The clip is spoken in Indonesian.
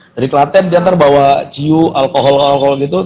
jadi klaten dia ntar bawa ciu alkohol alkohol gitu dia akan jual disana